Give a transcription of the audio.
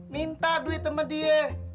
minta duit sama dia